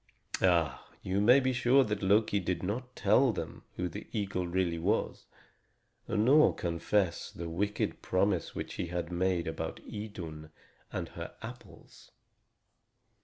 Ah, you may be sure that Loki did not tell them who the eagle really was, nor confess the wicked promise which he had made about Idun and her apples.